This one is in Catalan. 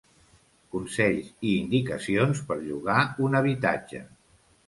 Consells i indicacions per llogar un habitatge.